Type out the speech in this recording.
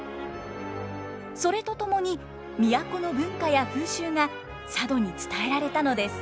それとともに都の文化や風習が佐渡に伝えられたのです。